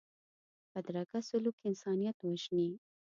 بدرنګه سلوک انسانیت وژني